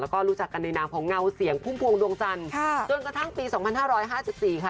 แล้วก็รู้จักกันในนามของเงาเสียงพุ่มพวงดวงจันทร์จนกระทั่งปี๒๕๕๔ค่ะ